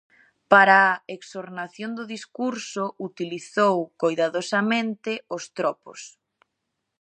Para a exornación do discurso utilizou coidadosamente os tropos.